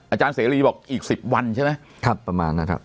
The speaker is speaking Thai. อาจารย์เสรีบอกอีก๑๐วันใช่ไหมประมาณนะครับ